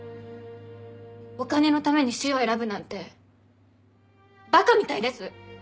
お金のために死を選ぶなんてばかみたいです！